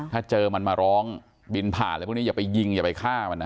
ถ้าเจอมันมาร้องบินผ่านอะไรพวกนี้อย่าไปยิงอย่าไปฆ่ามันนะ